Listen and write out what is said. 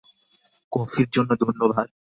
কফির জন্য ধন্যবাদ।